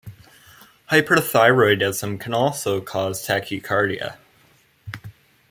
Hyperthyroidism can also cause tachycardia.